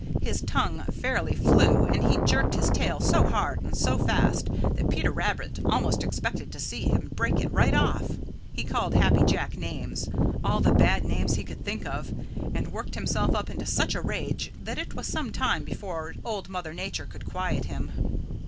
His tongue fairly flew and he jerked his tail so hard and so fast that Peter Rabbit almost expected to see him break it right off. He called Happy Jack names, all the bad names he could think of, and worked himself up into such a rage that it was some time before Old Mother Nature could quiet him.